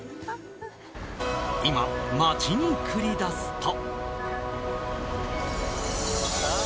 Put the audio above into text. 今、街に繰り出すと。